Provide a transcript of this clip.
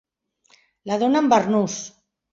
La dona en barnús.